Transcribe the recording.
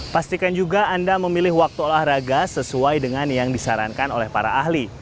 pastikan juga anda memilih waktu olahraga sesuai dengan yang disarankan oleh para ahli